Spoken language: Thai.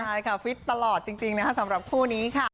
ใช่ค่ะฟิตตลอดจริงนะคะสำหรับคู่นี้ค่ะ